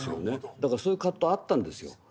だからそういう葛藤あったんですよ。